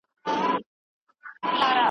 جرګه مار باید د ولس په غم او درد خبر وي.